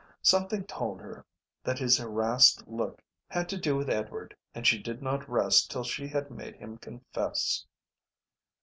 Something told her that his harassed look had to do with Edward and she did not rest till she had made him confess.